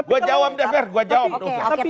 gue jawab deh ferry